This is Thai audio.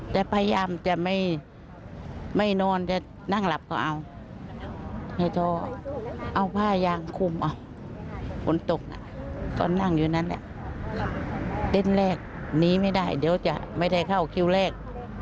เดินแรกหนีไม่ได้เดี๋ยวจะไม่ได้เข้าคิวแรก